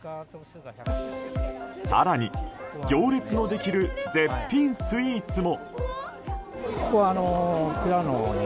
更に、行列のできる絶品スイーツも。